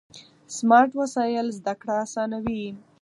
سمارټ وسایل زده کړه اسانوي.